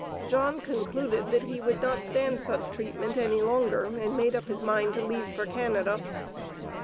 John concluded that he would not stand such treatment any longer, and made up his mind to leave for Canada.